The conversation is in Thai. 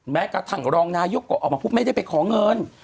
แม้กระทั่งรองนายกก็ออกมาพูดไม่ได้ไปขอเงิน